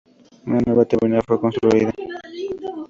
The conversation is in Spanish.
Una nueva terminal fue construida.